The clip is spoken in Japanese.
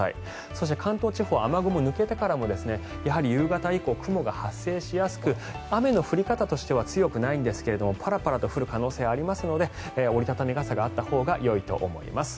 そして、関東地方は雨雲が抜けてからも夕方以降、雲が発生しやすく雨の降り方としては強くないんですがパラパラと降る可能性がありますので折り畳み傘があったほうがよいと思います。